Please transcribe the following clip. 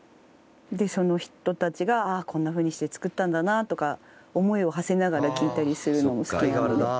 その人たちがこんな風にして作ったんだなとか思いをはせながら聴いたりするのも好きなので。